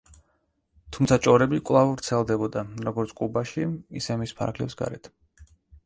თუმცა ჭორები კვლავ ვრცელდებოდა, როგორც კუბაში, ისე მის ფარგლებს გარეთ.